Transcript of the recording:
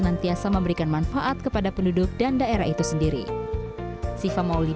dan senantiasa memberikan manfaat kepada penduduk dan daerah itu sendiri